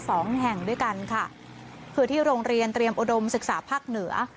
สองแห่งด้วยกันค่ะคือที่โรงเรียนเตรียมอุดมศึกษาภาคเหนือ